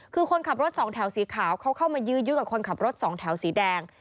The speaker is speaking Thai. คือคนขับรถสองแถวสีขาวเขาเข้ามายื้อกับคนขับรถสองแถวสีแดง